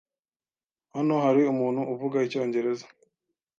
Hano hari umuntu uvuga icyongereza?